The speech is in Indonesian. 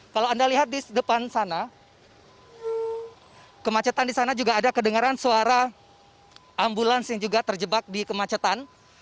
kalau anda lihat di depan sana kemacetan di sana juga ada kedengaran suara ambulans yang juga terjebak di kemacetan